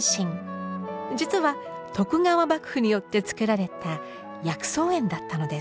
実は徳川幕府によってつくられた薬草園だったのです。